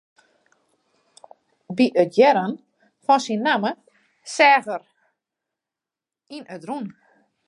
By it hearren fan syn namme seach er yn it rûn.